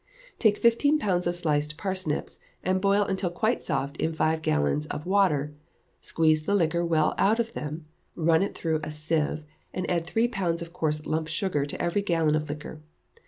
Take fifteen pounds of sliced parsnips, and boil until quite soft in five gallons of water; squeeze the liquor well out of them, run it through a sieve, and add three pounds of coarse lump sugar to every gallon of liquor.